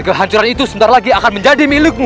dan kehancuran itu sebentar lagi akan menjadi milikmu